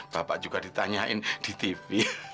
bapak juga ditanyain di tv